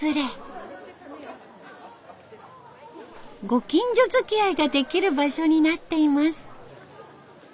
ご近所づきあいができる場所になっています。